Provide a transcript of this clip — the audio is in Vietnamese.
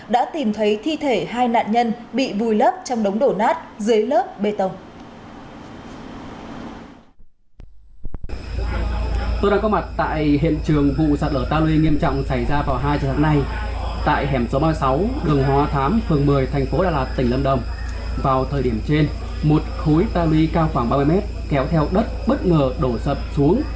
đã tìm thấy thi thể hai nạn nhân bị vùi lấp trong đống đổ nát dưới lớp bê tông